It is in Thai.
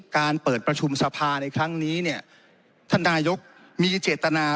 การเปิดประชุมสภาในครั้งนี้เนี่ยท่านนายกมีเจตนา